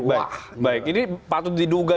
baik baik ini patut diduga